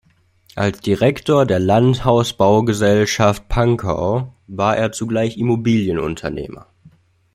Als Direktor der "Landhaus-Baugesellschaft Pankow" war er zugleich Immobilienunternehmer.